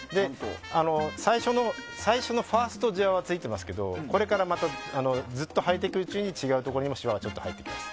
最初のファーストじわはついてますけどこれからまたずっと履いていくうちに違うところにも、しわがちょっと入ってきます。